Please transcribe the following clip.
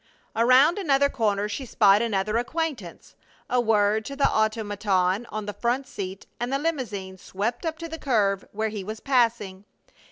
Around another corner she spied another acquaintance. A word to the automaton on the front seat and the limousine swept up to the curb where he was passing.